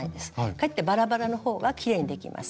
かえってバラバラのほうがきれいにできます。